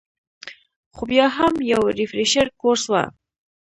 خو بيا هم يو ريفرېشر کورس وۀ -